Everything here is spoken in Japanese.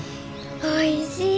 おいしい。